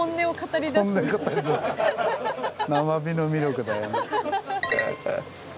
生火の魅力だよね。